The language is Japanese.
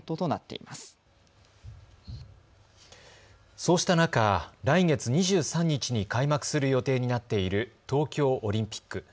そうした中、来月２３日に開幕する予定になっている東京オリンピック。